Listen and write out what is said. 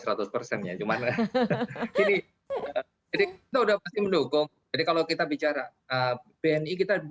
ya cuman jadi kita sudah pasti mendukung jadi kalau kita bicara bni kita